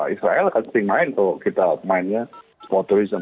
israel kan sering main kalau kita mainnya sport tourism